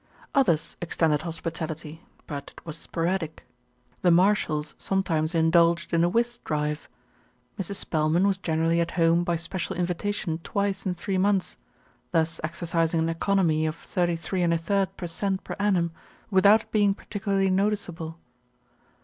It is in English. Others extended hospitality; but it was sporadic. The Marshalls sometimes indulged in a whist drive, Mrs. Spelman was generally at home by special invitation twice in three months, thus exercising an economy of thirty three and a third per cent, per annum, without it being particularly noticeable.